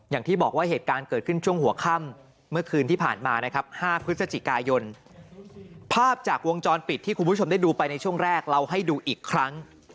อย่างที่บอกว่าเหตุการณ์เกิดขึ้นช่วงหัวค่ำเมื่อคืนที่ผ่านมานะครับ๕พฤศจิกายนภาพจากวงจรปิดที่คุณผู้ชมได้ดูไปในช่วงแรกเราให้ดูอีกครั้ง